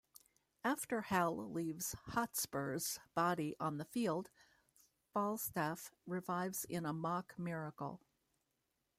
After Hal leaves Hotspur's body on the field, Falstaff revives in a mock miracle.